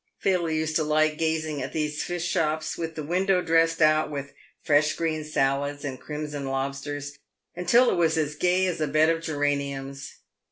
Phil used to like gazing at these fish shops, with the window dressed out with fresh green salads and crimson lobsters, until it was as gay as a bed of geraniums.